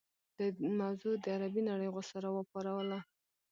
دې موضوع د عربي نړۍ غوسه راوپاروله.